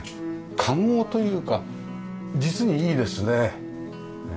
嵌合というか実にいいですね。